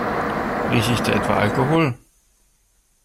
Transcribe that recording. Rieche ich da etwa Alkohol?